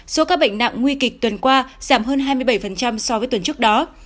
số ca bệnh nặng nguy kịch tuần qua giảm hơn hai mươi bảy so với tuần trước đó